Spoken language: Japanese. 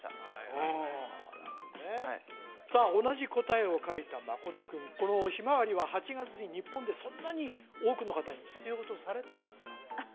うんなるほどねはいさあ同じ答えを書いた真君このひまわりは８月に日本でそんなに多くの方に必要とされてますか？